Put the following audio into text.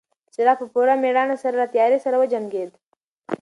څراغ په پوره مېړانه سره له تیارې سره وجنګېد.